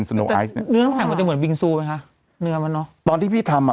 โนไอซ์เนี้ยเนื้อน้ำแข็งมันจะเหมือนบิงซูไหมคะเนื้อมันเนอะตอนที่พี่ทำอ่ะ